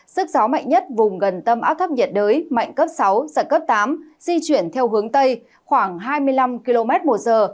sức gió mạnh nhất vùng gần tâm áp thấp nhiệt đới mạnh cấp sáu giật cấp tám di chuyển theo hướng tây khoảng hai mươi năm km một giờ